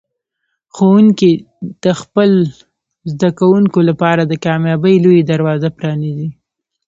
ښوونکي د خپلو زده کوونکو لپاره د کامیابۍ لوی دروازه پرانیزي.